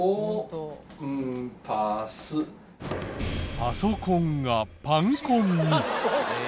「パソコン」が「パンコン」に。